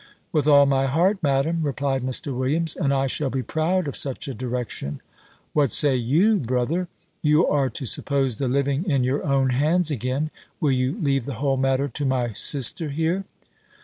"With all my heart, Madam," replied Mr. Williams; "and I shall be proud of such a direction," "What say you, brother? You are to suppose the living in your own hands again; will you leave the whole matter to my sister here?"